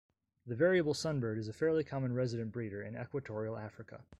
The variable sunbird is a fairly common resident breeder in equatorial Africa.